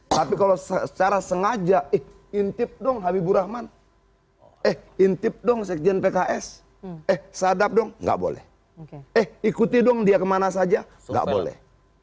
tapi kalau secara sengaja intip dong habiburrahman intip dong sekjen pks sadab dong gak boleh ikuti dong dia kemana saja gak boleh